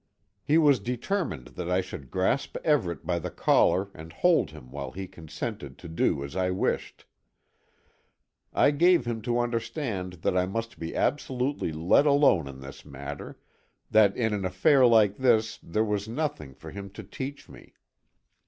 He was determined that I should grasp Everet by the collar and hold him while he consented to do as I wished. I gave him to understand that I must be absolutely let alone in this matter; that in an affair like this there was nothing for him to teach me.